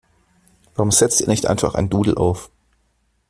Warum setzt ihr nicht einfach ein Doodle auf?